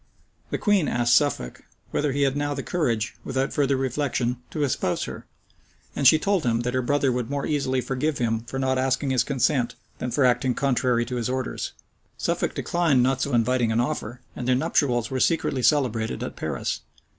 The queen asked Suffolk, whether he had now the courage, without further reflection, to espouse her; and she told him that her brother would more easily forgive him for not asking his consent, than for acting contrary to his orders. Suffolk declined not so inviting an offer; and their nuptials were secretly celebrated at Paris.